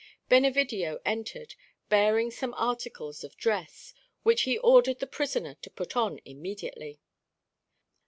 Benevidio entered, bearing some articles of dress, which he ordered the prisoner to put on immediately.